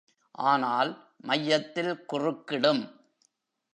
ஆனால், மையத்தில் குறுக்கிடும்.